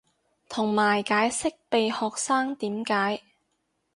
同埋解釋被學生點解